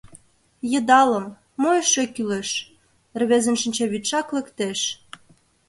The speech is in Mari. — Йыдалым, мо эше кӱлеш? — рвезын шинчавӱдшак лектеш.